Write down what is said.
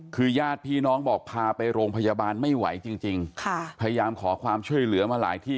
คือญาติพี่น้องบอกพาไปโรงพยาบาลไม่ไหวจริงจริงค่ะพยายามขอความช่วยเหลือมาหลายที่